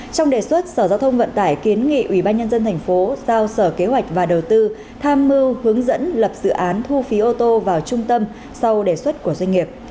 trong đề xuất sở giao thông vận tải kiến nghị ủy ban nhân dân tp hcm giao sở kế hoạch và đầu tư tham mưu hướng dẫn lập dự án thu phí ô tô vào trung tâm sau đề xuất của doanh nghiệp